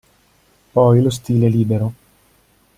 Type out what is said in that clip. Poi lo stile libero.